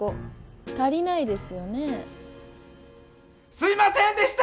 すいませんでした！